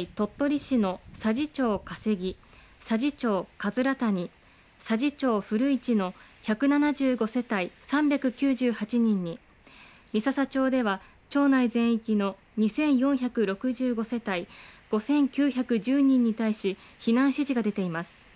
現在、鳥取市の佐治町加瀬木、佐治町葛谷、佐治町古市の１７５世帯３９８人に三朝町では、町内全域の２４６５世帯５９１０人に対し、避難指示が出ています。